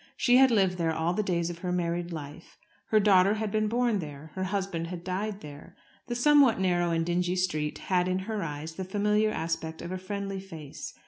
She had lived there all the days of her married life. Her daughter had been born there. Her husband had died there. The somewhat narrow and dingy street had in her eyes the familiar aspect of a friendly face.